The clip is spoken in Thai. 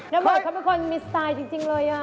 น้ำอดเขาเป็นคนมีสไตล์จริงเลยอ่ะ